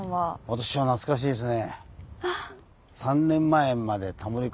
私は懐かしいですね。